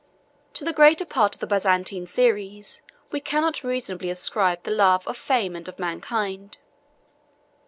To the greater part of the Byzantine series, we cannot reasonably ascribe the love of fame and of mankind.